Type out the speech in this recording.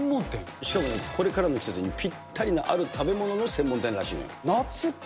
これからの季節にぴったりなある食べ物の専門店らしいのよ。